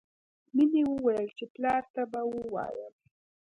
مینې وویل چې پلار ته به ووایم